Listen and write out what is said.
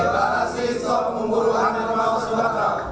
kami para mantan pemburu harimau sumatera